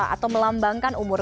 atau melambangkan umumnya